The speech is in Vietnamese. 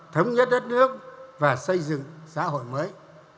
thống nhất đất nước và xây dựng xã hội mới